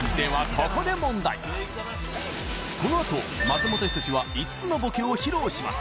ここでこのあと松本人志は５つのボケを披露します